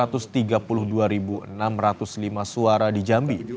anies mohaimin memperoleh lima ratus tiga puluh dua enam ratus lima suara di jambi